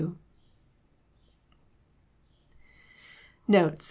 Notes.